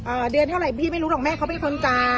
อ่าเดือนเท่าไหร่พี่ไม่รู้หรอกแม่เขาไม่ทนใจ